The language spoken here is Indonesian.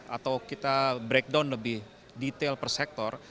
atau kita breakdown lebih detail per sektor